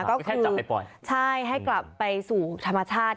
ก็คือใช่ให้กลับไปสู่ธรรมชาติ